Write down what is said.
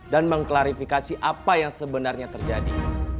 dan mengklarifikasi apa yang sebenarnya terjadi